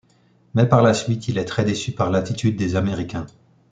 Mais par la suite, il est très déçu par l'attitude des Américains.